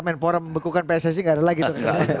menpora membekukan pssi gak adalah gitu